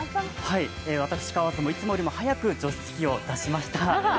私、川津もいつもより早く除湿器を出しました。